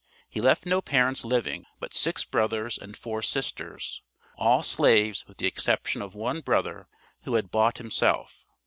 He left no parents living, but six brothers and four sisters, all slaves with the exception of one brother who had bought himself.